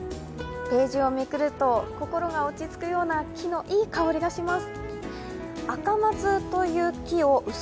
ページをめくると、心が落ち着くような木のいい香りがします。